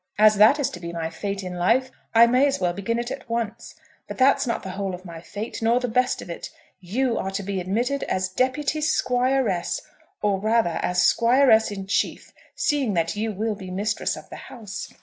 As that is to be my fate in life, I may as well begin it at once. But that's not the whole of my fate, nor the best of it. You are to be admitted as deputy Squiress, or rather as Squiress in chief, seeing that you will be mistress of the house.